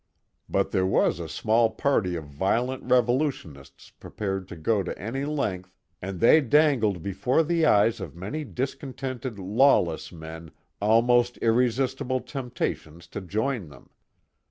But there was a small party of violent revolutionists prepared to go to any length, and they dangled before the eyes of many discon tented, lawless men almost irresistible temptations to join them.